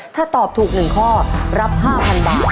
ถ้าตอบถูก๑ข้อรับ๕๐๐๐บาท